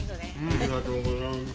ありがとうございます。